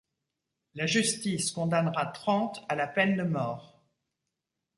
La justice condamnera trente à la peine de mort.